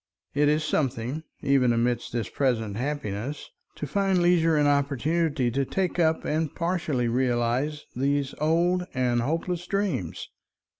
It is something, even amidst this present happiness, to find leisure and opportunity to take up and partially realize these old and hopeless dreams.